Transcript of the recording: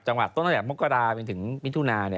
จังหวะต้นต้นหลังจากมกราวจนถึงวิทุณา